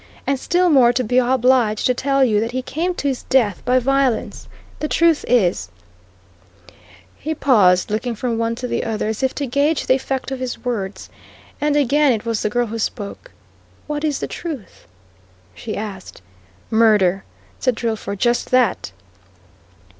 "And still more to be obliged to tell you that he came to his death by violence. The truth is " He paused, looking from one to the other, as if to gauge the effect of his words. And again it was the girl who spoke. "What is the truth?" she asked. "Murder!" said Drillford. "Just that!"